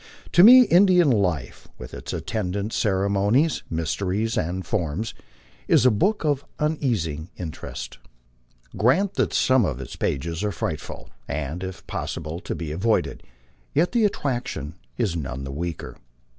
To me In dian life, with its attendant ceremonies, mysteries, and forms, is a book of un ceasing interest. Grant that some of its pages are frightful, and, if possible, to be avoided, yet the attraction is none the weaker.